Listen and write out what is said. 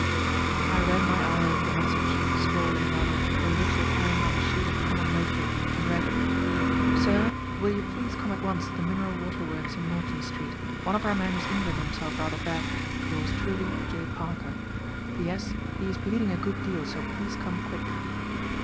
I ran my eye over the message, scrawled in a rather illiterate hand on a sheet of common notepaper, and read: "SIR, "Will you please come at once to the Mineral Water Works in Norton Street. One of our men has injured himself rather badly. "Yours truly, "J. PARKER. "P.S. He is bleeding a good deal, so please come quick."